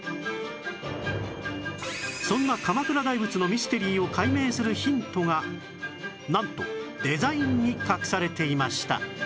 そんな鎌倉大仏のミステリーを解明するヒントがなんとデザインに隠されていました